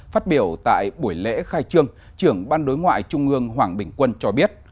phát biểu tại buổi lễ khai trương trưởng ban đối ngoại trung ương hoàng bình quân cho biết